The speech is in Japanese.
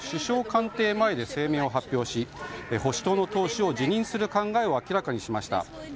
官邸前で声明を発表し保守党の党首を辞任する考えを明らかにしました。